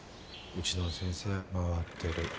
うちの先生回ってる。